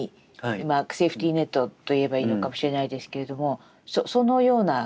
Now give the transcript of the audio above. まあセーフティーネットといえばいいのかもしれないですけれどもそのような役割でもありますね。